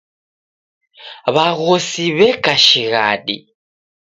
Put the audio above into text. W'aghosi w'eka shighadi.